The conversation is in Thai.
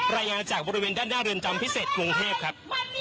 รายงานจากบริเวณด้านหน้าเรือนจำพิเศษกรุงเทพครับ